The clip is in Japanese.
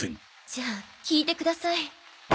じゃあ聞いてください。